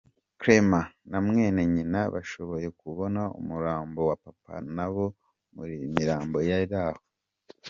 Clément na mwene nyina bashoboye kubona umurambo wa Papa nabo mu mirambo yari aho.